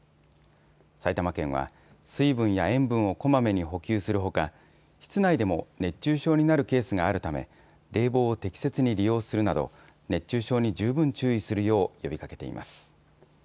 埼玉県は、水分や塩分をこまめに補給するほか、室内でも熱中症になるケースがあるため、冷房を適切に利用するなど、熱中症に十分注意するよう呼びかけています。